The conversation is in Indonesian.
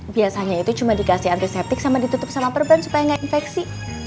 biasanya itu cuma dikasih antiseptik sama ditutup sama perban supaya nggak infeksi